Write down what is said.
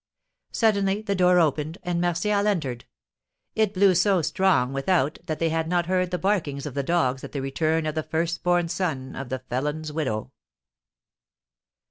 Suddenly the door opened, and Martial entered. It blew so strong without that they had not heard the barkings of the dogs at the return of the first born son of the felon's widow.